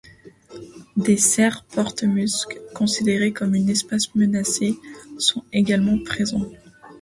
Des cerfs porte-musc, considérés comme une espèce menacée, sont également présents.